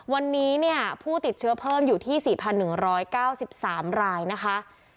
วันนี้เนี่ยผู้ติดเชื้อเพิ่มอยู่ที่๔๑๙๓รายนะคะ